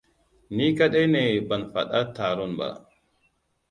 Ni kaɗai ne ban faɗa taron ba.